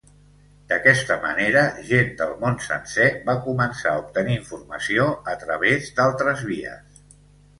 D'aquesta manera, gent del món sencer va començar a obtenir informació a través d'altres vies.